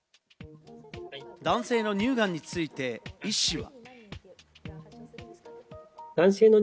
男性の乳がんについて、医師は。